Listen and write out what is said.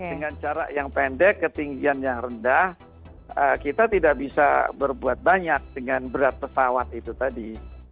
dengan cara yang pendek ketinggian yang rendah kita tidak bisa berbuat banyak dengan berat pesawat itu tadi